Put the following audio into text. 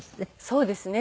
そうですね。